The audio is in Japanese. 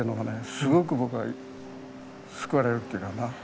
すごく僕は救われるっていうかな。